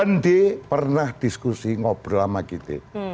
one day pernah diskusi ngobrol lama gitu